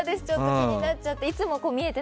気になっちゃって。